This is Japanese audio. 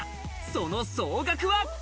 その総額は。